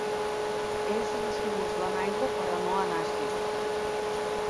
És insoluble en aigua però no en àcids.